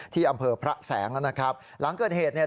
ที่อำเภอพระแสงนะครับหลังเกิดเหตุเนี่ย